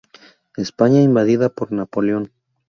España, invadida por Napoleón.